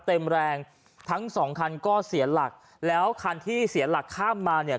เต็มแรงทั้งสองคันก็เสียหลักแล้วคันที่เสียหลักข้ามมาเนี่ย